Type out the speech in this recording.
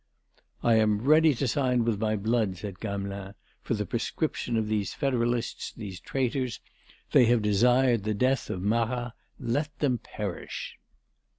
"I am ready to sign with my blood," said Gamelin, "for the proscription of these federalists, these traitors. They have desired the death of Marat: let them perish."